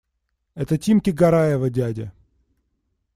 Это Тимки Гараева дядя.